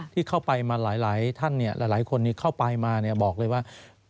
ที่เข้าไปมาหลายท่านหลายคนเข้าไปมาบอกเลยว่า